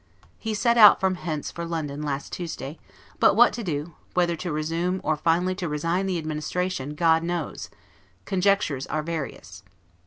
He set out from hence for London last Tuesday; but what to do, whether to resume, or finally to resign the Administration, God knows; conjectures are various.